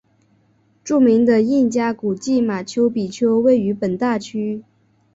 著名的印加古迹马丘比丘位于本大区。